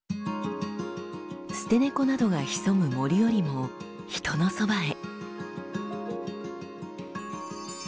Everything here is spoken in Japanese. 捨て猫などが潜む森よりも人のそばへ。